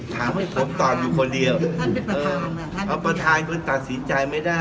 เจ้าต้องถามคนเดียวอะค่ะท้าไม่ตามคนเดียวนะเขาตัดสินใจก็ไม่ได้